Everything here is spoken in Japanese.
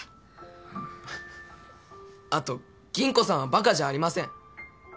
あと吟子さんはバカじゃありません！